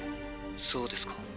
そうですか。